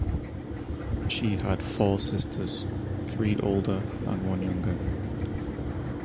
She had four sisters; three older and one younger.